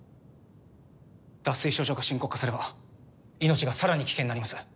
脱水症状が深刻化すれば命がさらに危険になります。